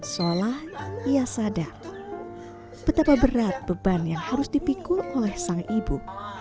seolah ia sadar betapa berat beban yang harus dipikul oleh sang ibu